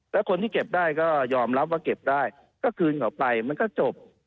แล้วคนที่เก็บได้ก็ยอมรับว่าเก็บได้ก็คืนเขาไปมันก็จบ